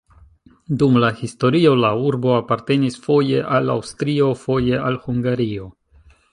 Dum la historio la urbo apartenis foje al Aŭstrio, foje al Hungario.